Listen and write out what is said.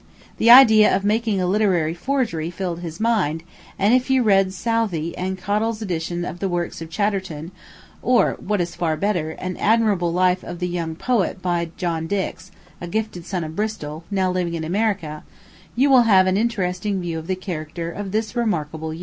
The idea of making a literary forgery filled his mind; and if you read Southey and Cottle's edition of the works of Chatterton, or, what is far better, an admirable Life of the young poet by John Dix, a gifted son of Bristol, now living in America, you will have an interesting view of the character of this remarkable youth.